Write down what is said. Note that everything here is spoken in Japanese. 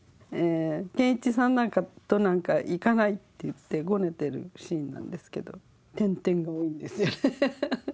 研一さんとなんかいかないっていってごねてるシーンなんですけど「」が多いんですよね。